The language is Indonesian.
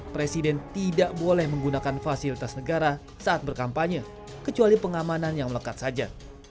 presiden tidak boleh menggunakan fasilitas negara saat berkampanye kecuali pengamanan yang melekat saja